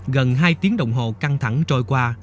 gần hai tiếng đồng hồ căng thẳng trôi qua